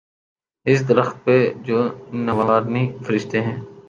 اس درخت پر جو نوارنی فرشتے ہیں۔